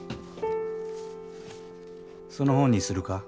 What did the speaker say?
その本にするか？